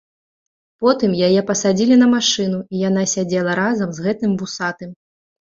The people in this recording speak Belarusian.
Потым яе пасадзілі на машыну, і яна сядзела разам з гэтым вусатым.